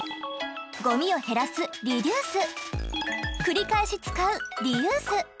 ゴミを減らす「リデュース」繰り返し使う「リユース」